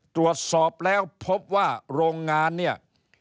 ตรวจสอบแล้วพบว่าโรงงานเนี่ย